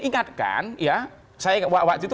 ingatkan ya saya waktu itu